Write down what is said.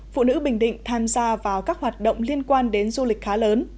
phụ nữ bình định tham gia vào các hoạt động liên quan đến du lịch khá lớn